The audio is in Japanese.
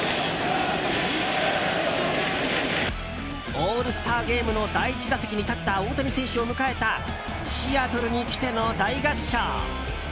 オールスターゲームの第１打席に立った大谷選手を迎えた「シアトルに来て」の大合唱。